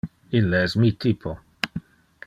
Ille es mi typo!